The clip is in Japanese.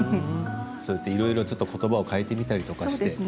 そうやっていろいろことばを変えてみたりとかして。